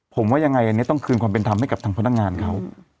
ผมว่ายังไงอันนี้ต้องคืนความเป็นธรรมให้กับทางพนักงานเขา